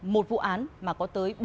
một vụ án mà có tới